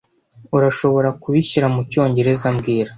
Urashobora kubishyira mucyongereza mbwira